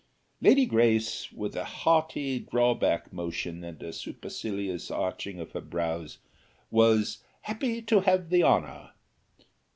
Lady Grace, with a haughty drawback motion, and a supercilious arching of her brows, was "happy to have the honour."